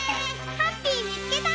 ハッピーみつけた！